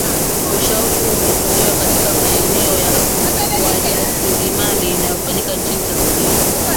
ushauri huo umetolewa katika maonesho ya wajasiriamali inayofanyika nchini tanzania